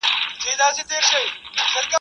د ټولنیزو علومو راتلونکی به څنګه وي؟